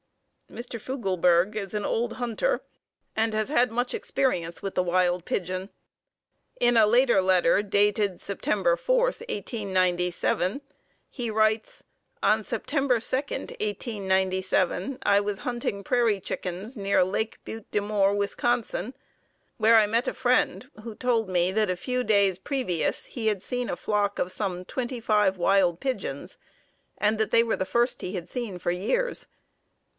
Mr. Fugleberg is an old hunter and has had much experience with the wild pigeon. In a later letter dated September 4, 1897, he writes: "On Sept. 2, 1897, I was hunting prairie chickens near Lake Butte des Morts, Wis., where I met a friend who told me that a few days previous he had seen a flock of some twenty five wild pigeons and that they were the first he had seen for years."